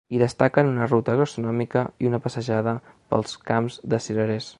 Hi destaquen una ruta gastronòmica i una passejada pels camps de cirerers.